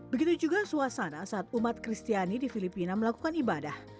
begitu juga suasana saat umat kristiani di filipina melakukan ibadah